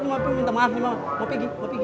iya lo minta maaf ya ma mau pergi mau pergi